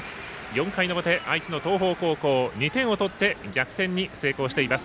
４回の表愛知の東邦高校、２点を取って逆転に成功しています。